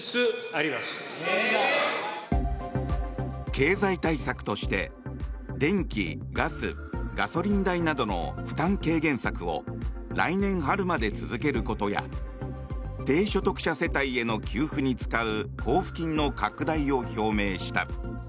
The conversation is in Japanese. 経済対策として電気・ガス・ガソリン代などの負担軽減策を来年春まで続けることや低所得者世帯への給付に使う交付金の拡大を表明した。